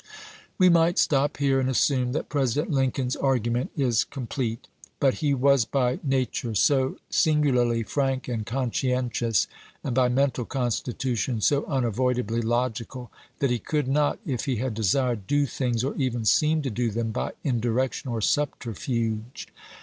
We might stop here and assume that President Lincoln's argument is complete. But he was by nature so singularlj^ frank and conscientious, and by mental constitution so unavoidably logical, that he could not, if he had desired, do things or even seem to do them by indirection or subterfuge.